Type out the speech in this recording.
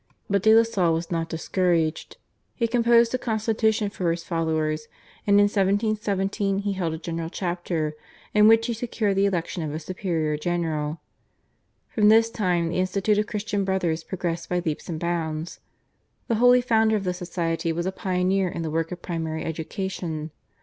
But de la Salle was not discouraged. He composed a constitution for his followers, and in 1717 he held a general chapter, in which he secured the election of a superior general. From this time the Institute of Christian Brothers progressed by leaps and bounds. The holy founder of the society was a pioneer in the work of primary education.